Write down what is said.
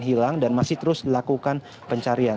hilang dan masih terus dilakukan pencarian